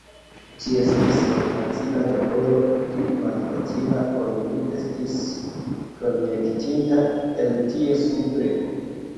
Ĝi estis malfacila laboro, pli malfacila ol mi estis konjektinta el tie supre.